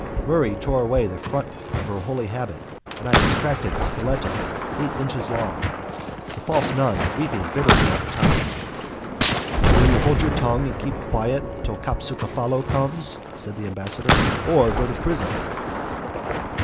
Murray tore away the front of her holy habit, and I extracted a stiletto eight inches long, the false nun weeping bitterly all the time. "Will you hold your tongue, and keep quiet till Capsucefalo comes," said the ambassador, "or go to prison?"